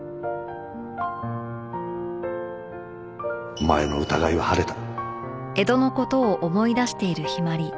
お前の疑いは晴れた。